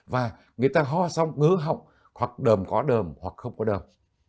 và người ta ho xong ngứa học hoặc đờm có đờm hoặc không có đần